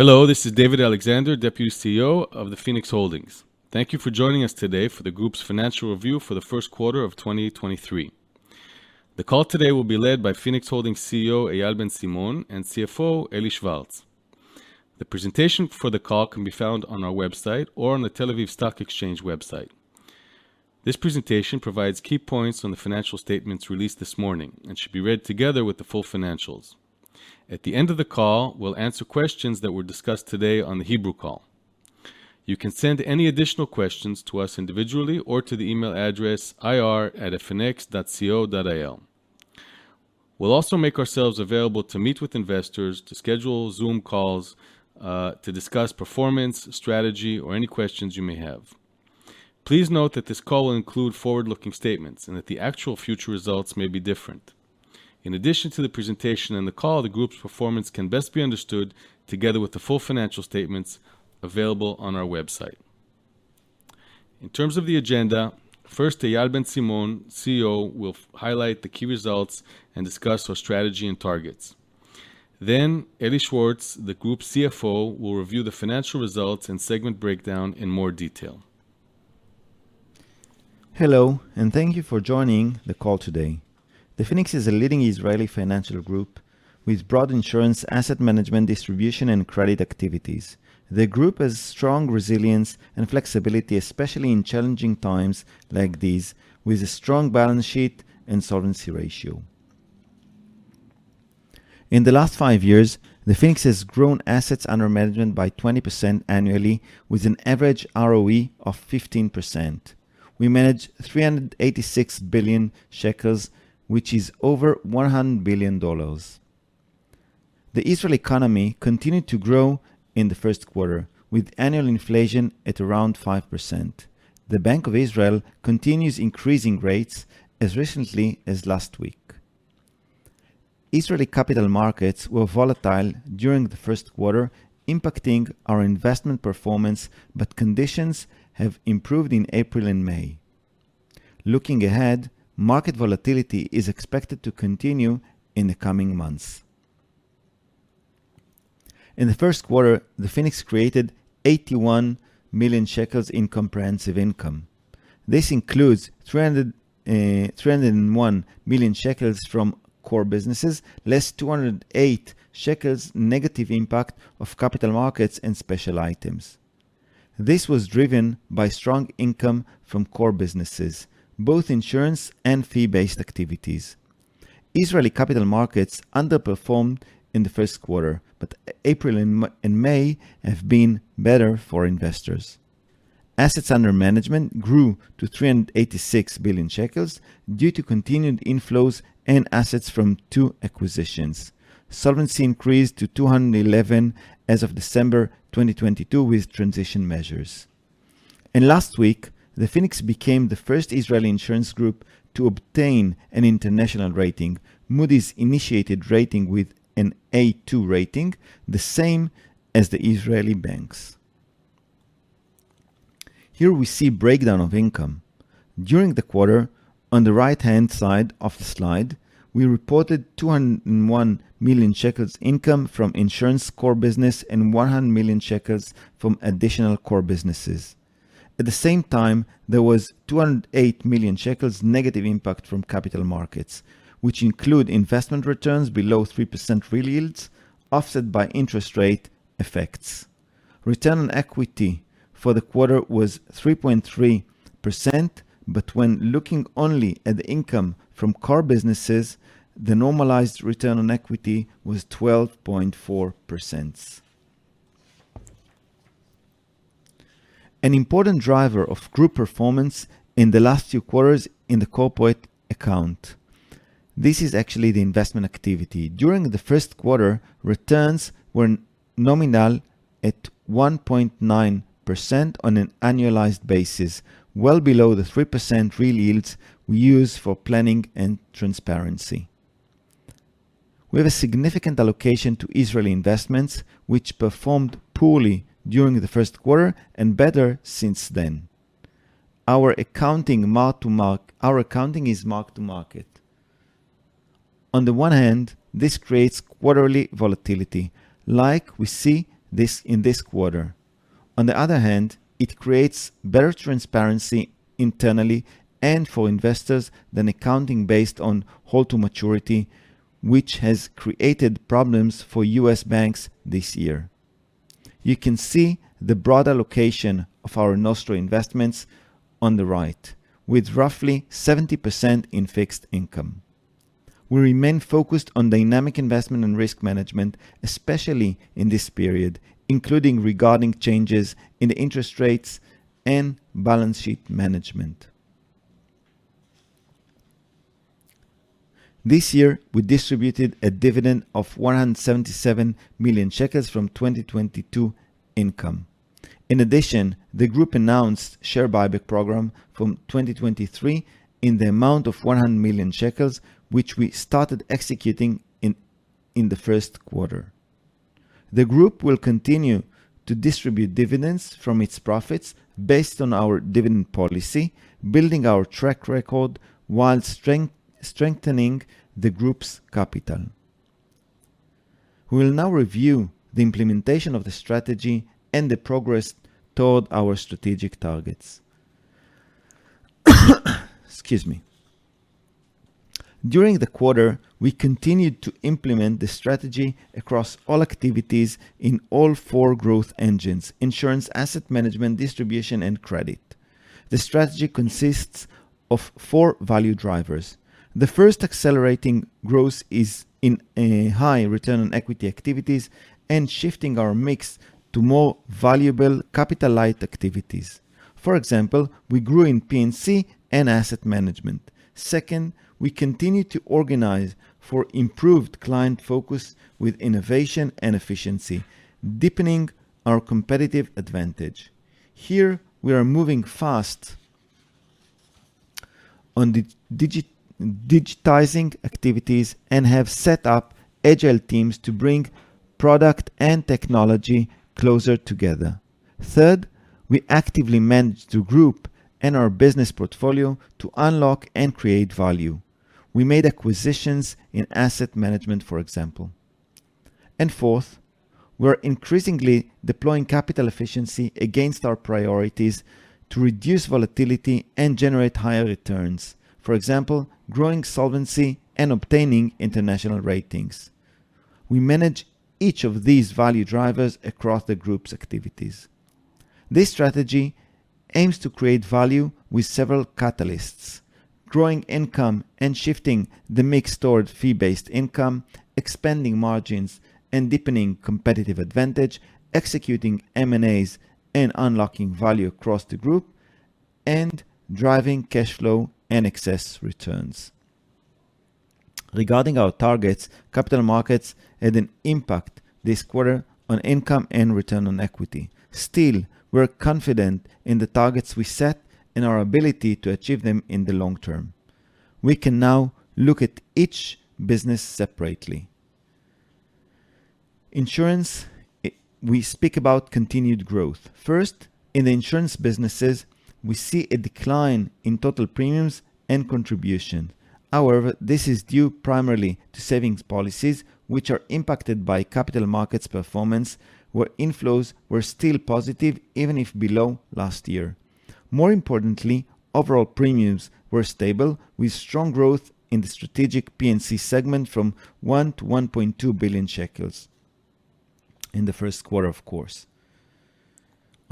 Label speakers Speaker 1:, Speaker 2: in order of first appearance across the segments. Speaker 1: Hello, this is David Alexander, Deputy CEO of the Phoenix Holdings. Thank you for joining us today for the group's financial review for the Q1 of 2023. The call today will be led by Phoenix Holdings CEO, Eyal Ben Simon, and CFO, Eli Schwartz. The presentation for the call can be found on our website or on the Tel Aviv Stock Exchange website. This presentation provides key points on the financial statements released this morning and should be read together with the full financials. At the end of the call, we'll answer questions that were discussed today on the Hebrew call. You can send any additional questions to us individually or to the email address ir@fnx.co.il. We'll also make ourselves available to meet with investors to schedule Zoom calls to discuss performance, strategy, or any questions you may have. Please note that this call will include forward-looking statements and that the actual future results may be different. In addition to the presentation and the call, the group's performance can best be understood together with the full financial statements available on our website. In terms of the agenda, Eyal Ben Simon, CEO, will highlight the key results and discuss our strategy and targets. Eli Schwartz, the group CFO, will review the financial results and segment breakdown in more detail.
Speaker 2: Hello, thank you for joining the call today. Phoenix is a leading Israeli financial group with broad insurance, asset management, distribution, and credit activities. The group has strong resilience and flexibility, especially in challenging times like these, with a strong balance sheet and solvency ratio. In the last five years, Phoenix has grown assets under management by 20% annually with an average ROE of 15%. We manage 386 billion shekels, which is over $100 billion. The Israel economy continued to grow in the Q1, with annual inflation at around 5%. The Bank of Israel continues increasing rates as recently as last week. Israeli capital markets were volatile during the Q1, impacting our investment performance, conditions have improved in April and May. Looking ahead, market volatility is expected to continue in the coming months. In the Q1, Phoenix created 81 million shekels in comprehensive income. This includes 301 million shekels from core businesses, less 208 shekels negative impact of capital markets and special items. This was driven by strong income from core businesses, both insurance and fee-based activities. Israeli capital markets underperformed in the Q1, April and May have been better for investors. Assets under management grew to 386 billion shekels due to continued inflows and assets from two acquisitions. Solvency increased to 211% as of December 2022 with transition measures. Last week, Phoenix became the 1st Israeli insurance group to obtain an international rating. Moody's initiated rating with an A2 rating, the same as the Israeli banks. Here we see breakdown of income. During the quarter, on the right-hand side of the slide, we reported 201 million shekels income from insurance core business and 100 million shekels from additional core businesses. At the same time, there was 208 million shekels negative impact from capital markets, which include investment returns below 3% real yields, offset by interest rate effects. Return on equity for the quarter was 3.3%, but when looking only at the income from core businesses, the normalized return on equity was 12.4%. An important driver of group performance in the last few quarters in the corporate account. This is actually the investment activity. During the Q1, returns were nominal at 1.9% on an annualized basis, well below the 3% real yields we use for planning and transparency. We have a significant allocation to Israeli investments, which performed poorly during the Q1 and better since then. Our accounting is mark-to-market. On the one hand, this creates quarterly volatility, like we see in this quarter. On the other hand, it creates better transparency internally and for investors than accounting based on hold-to-maturity, which has created problems for U.S. banks this year. You can see the broad allocation of our Nostro investments on the right, with roughly 70% in fixed income. We remain focused on dynamic investment and risk management, especially in this period, including regarding changes in the interest rates and balance sheet management. This year, we distributed a dividend of 177 million shekels from 2022 income. In addition, the group announced share buyback program from 2023 in the amount of 100 million shekels, which we started executing in the Q1. The group will continue to distribute dividends from its profits based on our dividend policy, building our track record while strengthening the group's capital. We will now review the implementation of the strategy and the progress toward our strategic targets. Excuse me. During the quarter, we continued to implement the strategy across all activities in all four growth engines: insurance, asset management, distribution, and credit. The strategy consists of four value drivers. The first accelerating growth is in high Return on equity activities and shifting our mix to more valuable capital-light activities. For example, we grew in P&C and asset management. Second, we continue to organize for improved client focus with innovation and efficiency, deepening our competitive advantage. Here, we are moving fast on the digitizing activities and have set up agile teams to bring product and technology closer together. Third, we actively manage the group and our business portfolio to unlock and create value. We made acquisitions in asset management, for example. Fourth, we're increasingly deploying capital efficiency against our priorities to reduce volatility and generate higher returns. For example, growing solvency and obtaining international ratings. We manage each of these value drivers across the group's activities. This strategy aims to create value with several catalysts, growing income and shifting the mix toward fee-based income, expanding margins and deepening competitive advantage, executing M&As and unlocking value across the group, and driving cash flow and excess returns. Regarding our targets, capital markets had an impact this quarter on income and Return on equity. Still, we're confident in the targets we set and our ability to achieve them in the long term. We can now look at each business separately. Insurance, we speak about continued growth. First, in the insurance businesses, we see a decline in total premiums and contribution. However, this is due primarily to savings policies, which are impacted by capital markets performance, where inflows were still positive, even if below last year. More importantly, overall premiums were stable with strong growth in the strategic P&C segment from 1 billion, 1.2 billion shekels in the Q1, of course.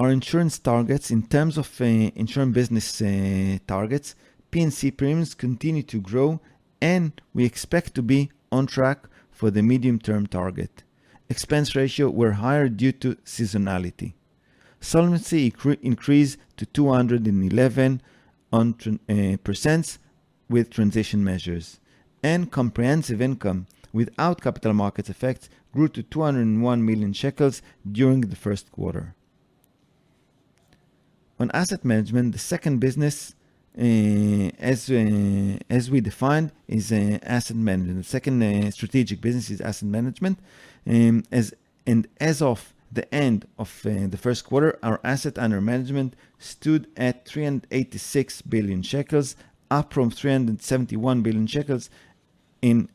Speaker 2: Our insurance targets in terms of insurance business targets, P&C premiums continue to grow, and we expect to be on track for the medium-term target. Expense ratio were higher due to seasonality. Solvency increased to 211% with transition measures, and comprehensive income without capital markets effects grew to 201 million shekels during the Q1. On asset management, the second business as we defined is asset management. The second strategic business is asset management. As of the end of the Q1, our asset under management stood at 386 billion shekels, up from 371 billion shekels in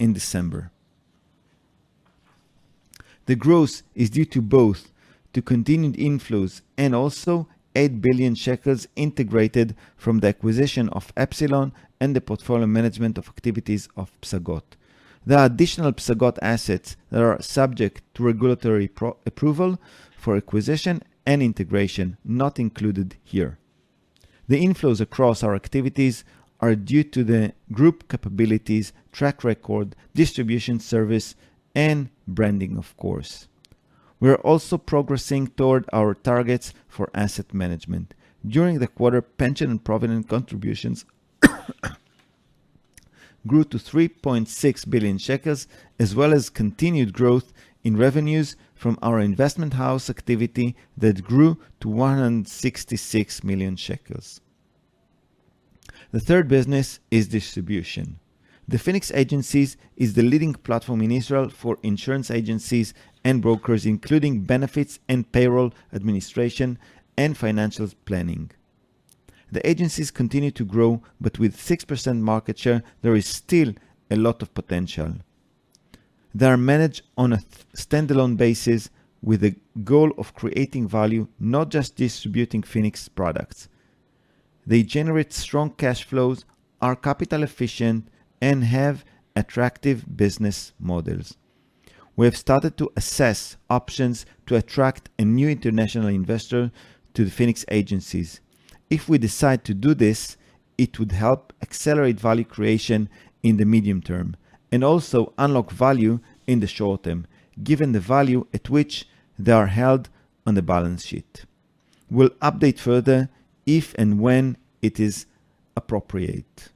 Speaker 2: December. The growth is due to both the continued inflows and also 8 billion shekels integrated from the acquisition of Epsilon and the portfolio management of activities of Psagot. There are additional Psagot assets that are subject to regulatory approval for acquisition and integration, not included here. The inflows across our activities are due to the group capabilities, track record, distribution service, and branding, of course. We are also progressing toward our targets for asset management. During the quarter, pension and provident contributions grew to 3.6 billion shekels, as well as continued growth in revenues from our investment house activity that grew to 166 million shekels. The third business is distribution. The Phoenix Agencies is the leading platform in Israel for insurance agencies and brokers, including benefits and payroll administration and financial planning. The agencies continue to grow, but with 6% market share, there is still a lot of potential. They are managed on a standalone basis with the goal of creating value, not just distributing Phoenix products. They generate strong cash flows, are capital efficient, and have attractive business models. We have started to assess options to attract a new international investor to the Phoenix Agencies. If we decide to do this, it would help accelerate value creation in the medium term and also unlock value in the short term, given the value at which they are held on the balance sheet. We'll update further if and when it is appropriate.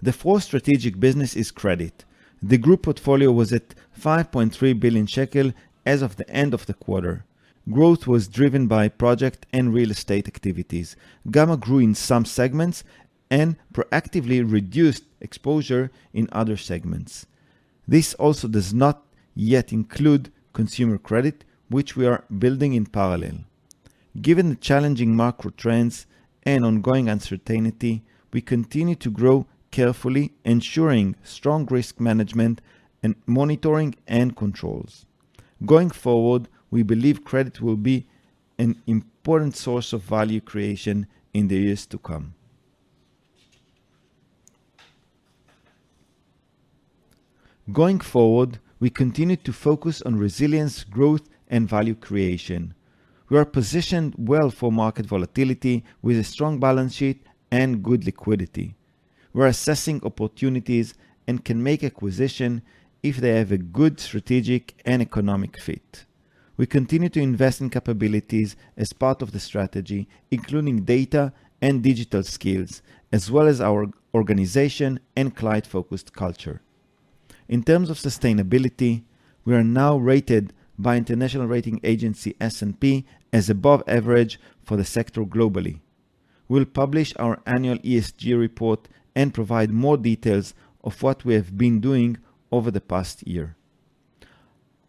Speaker 2: The fourth strategic business is credit. The group portfolio was at 5.3 billion shekel as of the end of the quarter, growth was driven by project and real estate activities. Gama grew in some segments and proactively reduced exposure in other segments. This also does not yet include consumer credit, which we are building in parallel. Given the challenging macro trends and ongoing uncertainty, we continue to grow carefully, ensuring strong risk management and monitoring and controls. Going forward, we believe credit will be an important source of value creation in the years to come. Going forward, we continue to focus on resilience, growth, and value creation. We are positioned well for market volatility with a strong balance sheet and good liquidity. We're assessing opportunities and can make acquisition if they have a good strategic and economic fit. We continue to invest in capabilities as part of the strategy, including data and digital skills, as well as our organization and client-focused culture. In terms of sustainability, we are now rated by international rating agency S&P as above average for the sector globally. We'll publish our annual ESG report and provide more details of what we have been doing over the past year.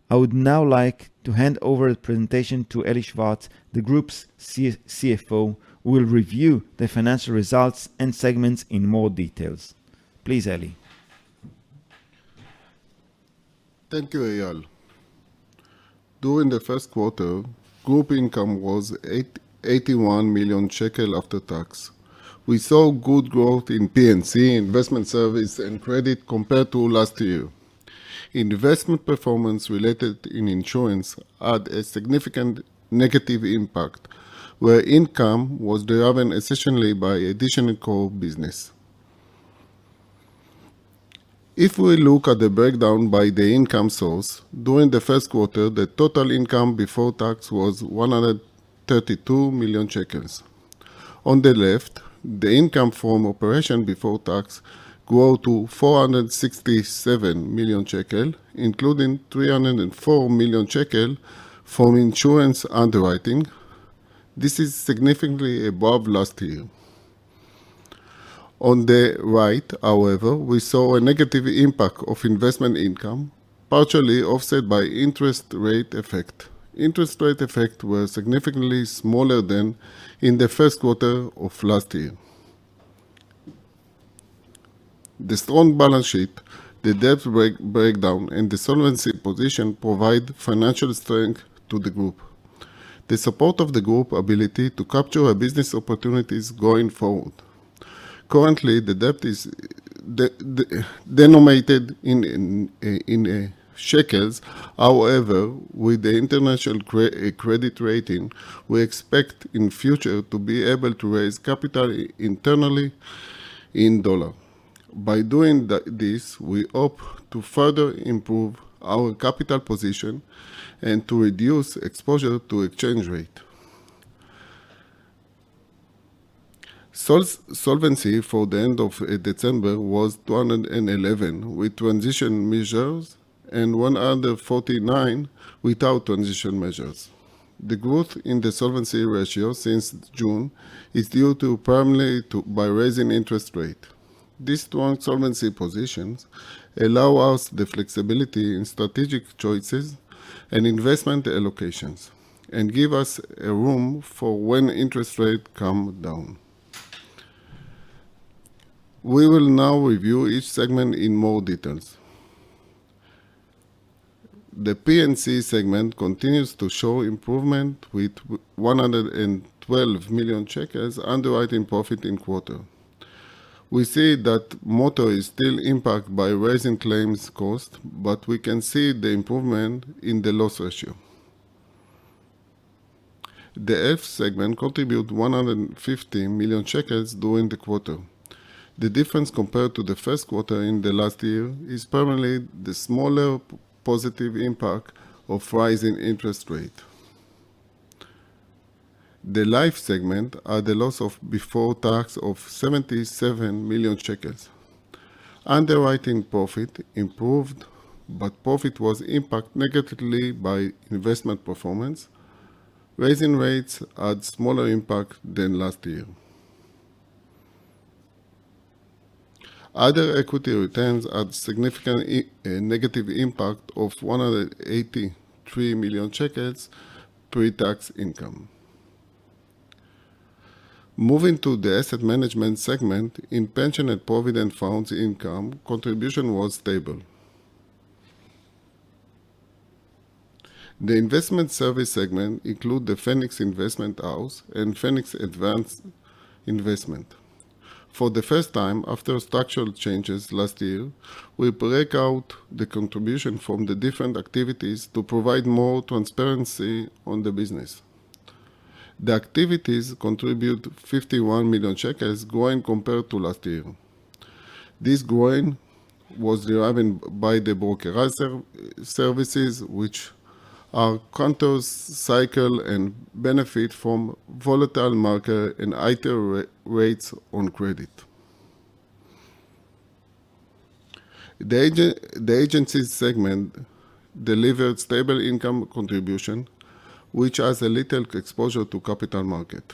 Speaker 2: I would now like to hand over the presentation to Eli Schwartz, the group's CFO, who will review the financial results and segments in more details. Please, Eli.
Speaker 3: Thank you, Eyal. During the Q1, group income was 81 million shekel after tax. We saw good growth in P&C investment service and credit compared to last year. Investment performance related in insurance had a significant negative impact, where income was driven essentially by additional core business. If we look at the breakdown by the income source, during the Q1, the total income before tax was 132 million shekels. On the left, the income from operation before tax grew to 467 million shekel, including 304 million shekel from insurance underwriting. This is significantly above last year. On the right, however, we saw a negative impact of investment income, partially offset by interest rate effect. Interest rate effect was significantly smaller than in the Q1 of last year. The strong balance sheet, the debt breakdown, and the solvency position provide financial strength to the group. The support of the group ability to capture business opportunities going forward. Currently, the debt is denominated in shekels. However, with the international credit rating, we expect in future to be able to raise capital internally in dollar. By doing this, we hope to further improve our capital position and to reduce exposure to exchange rate. Solvency for the end of December was 211 with transition measures and 149 without transition measures. The growth in the solvency ratio since June is due to primarily by raising interest rate. This strong solvency positions allow us the flexibility in strategic choices and investment allocations and give us a room for when interest rate come down. We will now review each segment in more details. The P&C segment continues to show improvement with 112 million underwriting profit in quarter. We see that motor is still impacted by rising claims cost, but we can see the improvement in the loss ratio. The Health segment contribute 150 million shekels during the quarter. The difference compared to the Q1 in the last year is primarily the smaller positive impact of rising interest rate. The Life segment are the loss of before tax of 77 million shekels. Underwriting profit improved, but profit was impacted negatively by investment performance. Rising rates had smaller impact than last year. Other equity returns had significant negative impact of 183 million shekels pre-tax income. Moving to the asset management segment, in pension and provident funds income contribution was stable. The investment service segment include the Phoenix Investments House and Phoenix Advanced Investments. For the first time after structural changes last year, we break out the contribution from the different activities to provide more transparency on the business. The activities contribute 51 million shekels growing compared to last year. This growing was driven by the broker services, which are counter-cycle and benefit from volatile market and higher rates on credit. The Agencies segment delivered stable income contribution, which has a little exposure to capital market.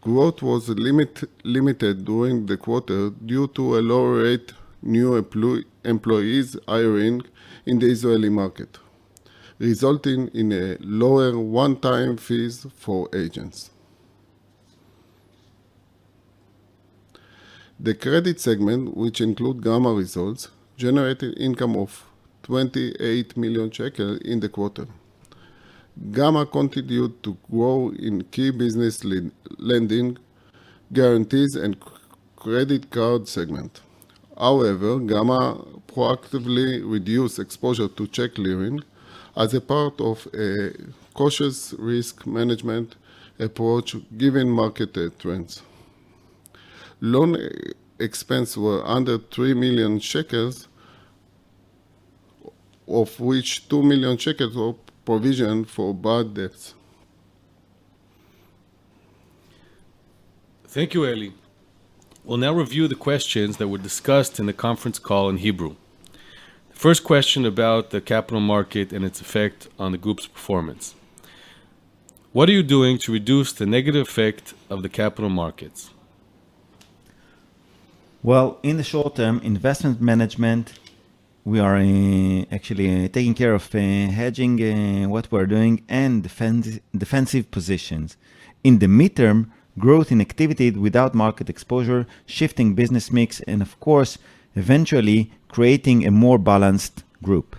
Speaker 3: Growth was limited during the quarter due to a lower rate new employees hiring in the Israeli market, resulting in lower one-time fees for agents. The Credit segment, which include Gama results, generated income of 28 million shekel in the quarter. Gama continued to grow in key business lending, guarantees, and credit card segment. However, Gama proactively reduced exposure to check clearing as a part of a cautious risk management approach given market trends. Loan expense were under 3 million shekels, of which 2 million shekels were provisioned for bad debts.
Speaker 1: Thank you, Eli. We'll now review the questions that were discussed in the conference call in Hebrew. First question about the capital market and its effect on the Group's performance. What are you doing to reduce the negative effect of the capital markets?
Speaker 2: Well, in the short term, investment management, we are actually taking care of hedging what we're doing and defensive positions. In the mid-term, growth in activity without market exposure, shifting business mix, and of course, eventually creating a more balanced Group.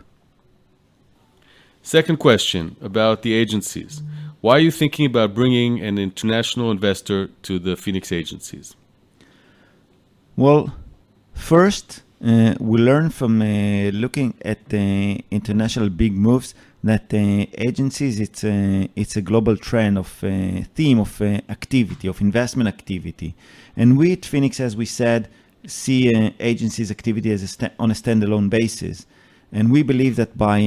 Speaker 1: Second question about the Agencies. Why are you thinking about bringing an international investor to the Phoenix Agencies?
Speaker 2: Well, first, we learn from looking at the international big moves that agencies, it's a global trend of theme of activity, of investment activity. We at Phoenix, as we said, see agencies activity on a standalone basis. We believe that by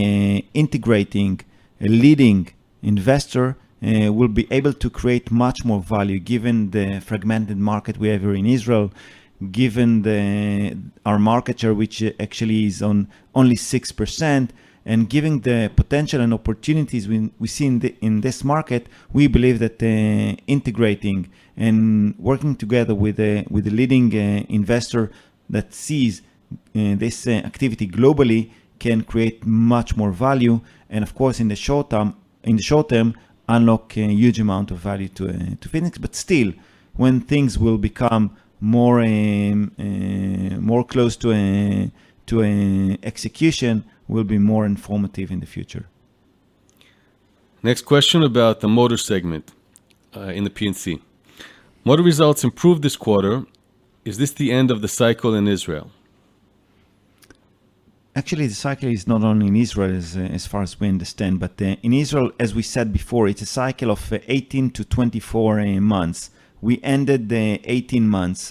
Speaker 2: integrating a leading investor, we'll be able to create much more value given the fragmented market we have here in Israel, given our market share, which actually is only 6%, and given the potential and opportunities we see in this market. We believe that integrating and working together with a leading investor that sees this activity globally can create much more value, and of course, in the short term, unlock a huge amount of value to Phoenix. Still, when things will become more close to execution, we'll be more informative in the future.
Speaker 1: Next question about the motor segment in the P&C. Motor results improved this quarter. Is this the end of the cycle in Israel?
Speaker 2: Actually, the cycle is not only in Israel, as far as we understand. In Israel, as we said before, it's a cycle of 18 to 24 months. We ended the 18 months,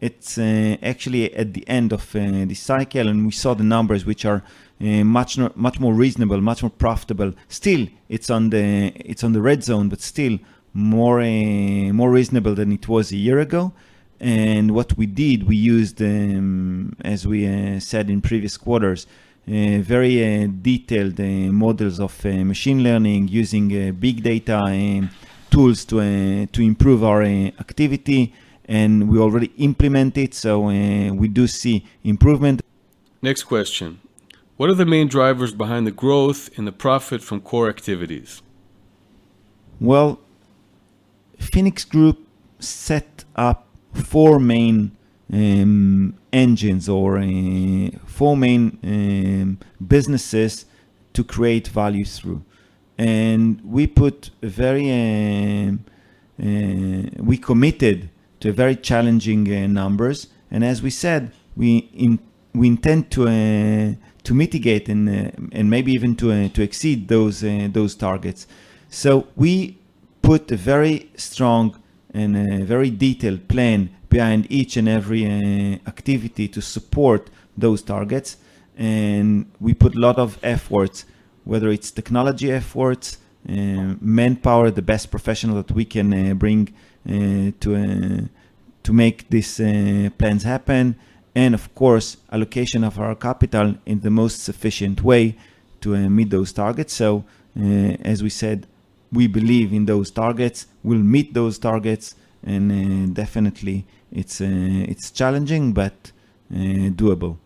Speaker 2: so it's actually at the end of the cycle, and we saw the numbers, which are much more reasonable, much more profitable. Still it's on the red zone, but still more reasonable than it was a year ago. What we did, we used, as we said in previous quarters, very detailed models of machine learning using big data tools to improve our activity, and we already implement it, so we do see improvement.
Speaker 1: Next question. What are the main drivers behind the growth in the profit from core activities?
Speaker 2: Phoenix Group set up four main engines or four main businesses to create value through. We committed to very challenging numbers. As we said, we intend to mitigate and maybe even to exceed those targets. We put a very strong and very detailed plan behind each and every activity to support those targets. We put lot of efforts, whether it's technology efforts, manpower, the best professional that we can bring to make these plans happen, and of course, allocation of our capital in the most sufficient way to meet those targets. As we said, we believe in those targets. We'll meet those targets, and definitely it's challenging, but doable.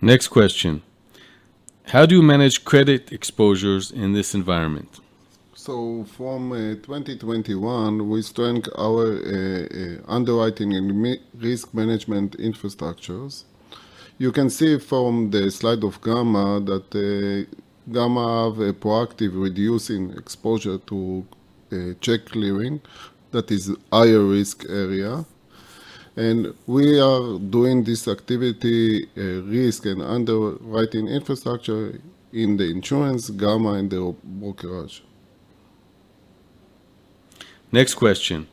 Speaker 1: Next question. How do you manage credit exposures in this environment?
Speaker 3: From 2021, we strengthened our underwriting and risk management infrastructures. You can see from the slide of Gama that Gama have a proactive reducing exposure to check clearing, that is higher risk area. We are doing this activity risk and underwriting infrastructure in the insurance Gama and the brokerage.
Speaker 1: Next question.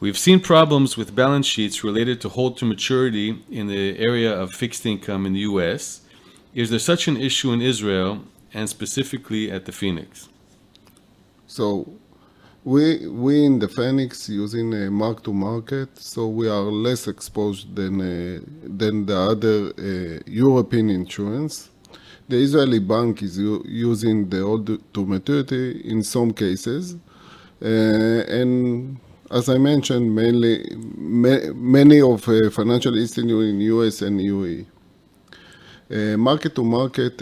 Speaker 1: We've seen problems with balance sheets related to hold-to-maturity in the area of fixed income in the U.S. Is there such an issue in Israel, and specifically at the Phoenix?
Speaker 3: We in the Phoenix using a mark-to-market, so we are less exposed than the other European insurance. The Israeli bank is using the hold-to-maturity in some cases, and as I mentioned, many of financial institute in U.S. and EU. Mark-to-market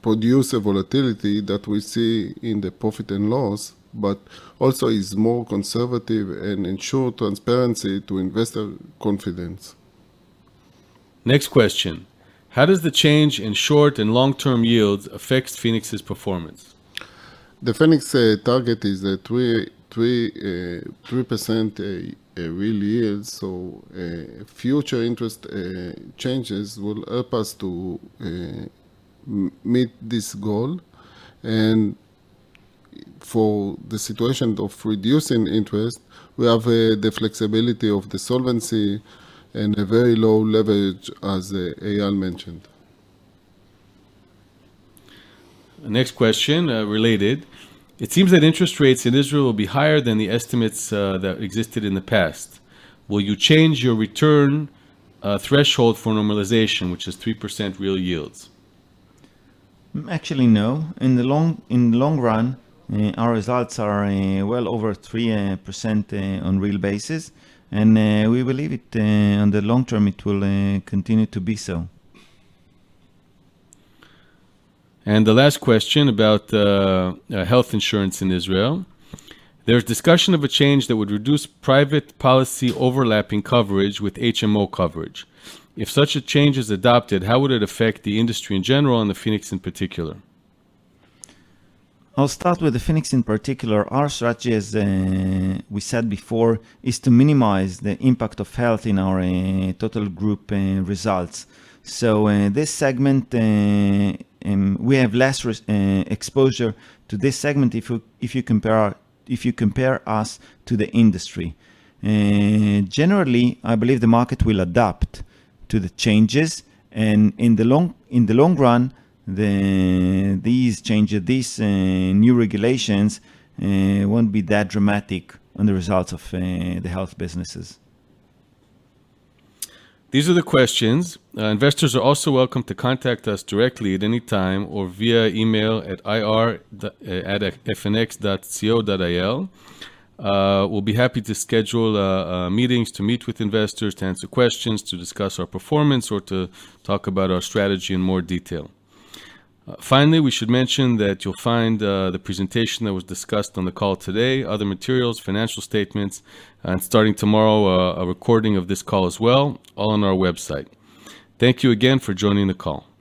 Speaker 3: produce a volatility that we see in the profit and loss, but also is more conservative and ensure transparency to investor confidence.
Speaker 1: Next question. How does the change in short and long-term yields affect Phoenix's performance?
Speaker 3: The Phoenix target is 3% real yield, future interest changes will help us to meet this goal. For the situation of reducing interest, we have the flexibility of the solvency and a very low leverage as Eyal mentioned.
Speaker 1: Next question, related. It seems that interest rates in Israel will be higher than the estimates that existed in the past. Will you change your return threshold for normalization, which is 3% real yields?
Speaker 2: Actually, no. In long run, our results are well over 3% on real basis, and we believe on the long-term, it will continue to be so.
Speaker 1: The last question about health insurance in Israel. There's discussion of a change that would reduce private policy overlapping coverage with HMO coverage. If such a change is adopted, how would it affect the industry in general and the Phoenix in particular?
Speaker 2: I'll start with the Phoenix in particular. Our strategy, as we said before, is to minimize the impact of health in our total group results. This segment, we have less exposure to this segment if you compare us to the industry. Generally, I believe the market will adapt to the changes, and in the long run, these new regulations won't be that dramatic on the results of the health businesses.
Speaker 1: These are the questions. Investors are also welcome to contact us directly at any time or via email at ir@fnx.co.il. We'll be happy to schedule meetings to meet with investors, to answer questions, to discuss our performance, or to talk about our strategy in more detail. Finally, we should mention that you'll find the presentation that was discussed on the call today, other materials, financial statements, and starting tomorrow, a recording of this call as well, all on our website. Thank you again for joining the call.